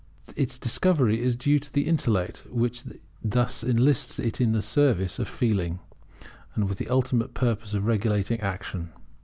Its discovery is due to the intellect; which is thus enlisted in the service of feeling, with the ultimate purpose of regulating action.